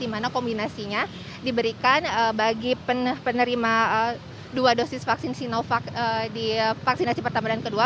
di mana kombinasinya diberikan bagi penerima dua dosis vaksin sinovac di vaksinasi pertama dan kedua